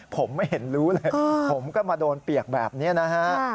ผมไม่เห็นรู้เลยผมก็มาโดนเปียกแบบนี้นะฮะ